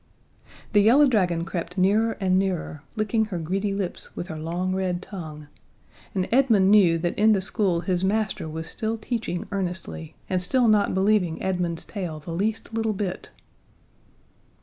The yellow dragon crept nearer and nearer, licking her greedy lips with her long red tongue, and Edmund knew that in the school his master was still teaching earnestly and still not believing Edmund's tale the least little bit.